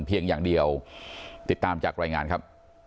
เพียงอย่างเดียวติดตามจากรายงานครับ